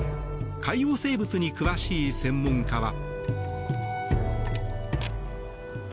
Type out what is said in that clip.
海洋生物に詳しい専門家は。